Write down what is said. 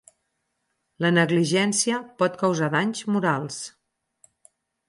La negligència pot causar danys morals.